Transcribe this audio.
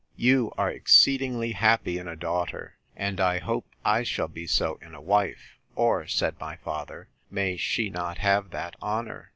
You are exceedingly happy in a daughter; and I hope I shall be so in a wife—Or, said my father, may she not have that honour!